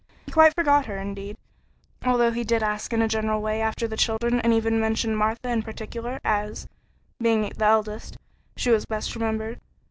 He quite forgot her, indeed, although he did ask in a general way after the children and even mentioned Martha in particular, as, being the eldest, she was best remembered.